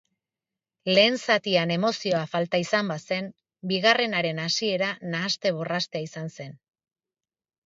Lehen zatian emozioa falta izan bazen, bigarrenaren hasiera nahaste-borrastea izan zen.